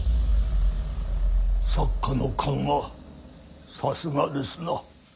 作家の勘はさすがですな。